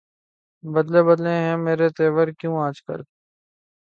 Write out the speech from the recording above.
بدلے بدلے ہیں میرے تیور کیوں آج کل